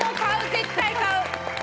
絶対買う！